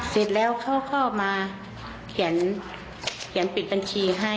เสร็จแล้วเขาก็มาเขียนปิดบัญชีให้